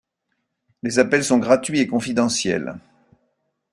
Les appels sont gratuits et confidentiels.